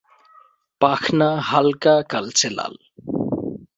পাখনা হালকা কালচে লাল।